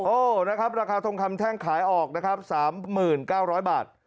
โอ้นะครับราคาทองคำแท่งขายออกนะครับ๓๙๐๐บาท